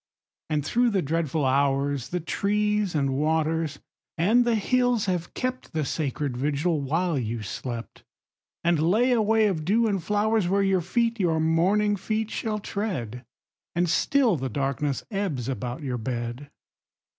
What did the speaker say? And through the dreadful hours The trees and waters and the hills have kept The sacred vigil while you slept, And lay a way of dew and flowers Where your feet, your morning feet, shall tread. And still the darkness ebbs about your bed.